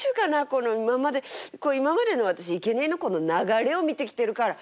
この今までこう今までの私いけにえのこの流れを見てきてるから。